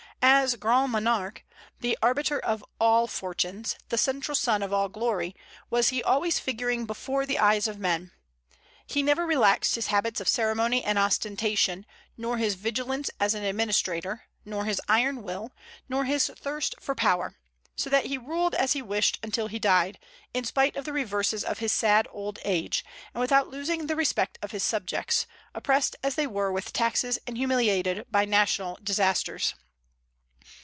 As grand monarque, the arbiter of all fortunes, the central sun of all glory, was he always figuring before the eyes of men. He never relaxed his habits of ceremony and ostentation, nor his vigilance as an administrator, nor his iron will, nor his thirst for power; so that he ruled as he wished until he died, in spite of the reverses of his sad old age, and without losing the respect of his subjects, oppressed as they were with taxes and humiliated by national disasters.